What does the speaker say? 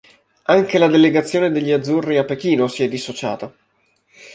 Anche la delegazione degli atleti azzurri a Pechino si è dissociata.